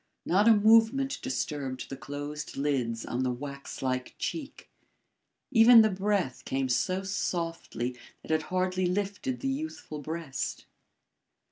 Not a movement disturbed the closed lids on the wax like cheek. Even the breath came so softly that it hardly lifted the youthful breast.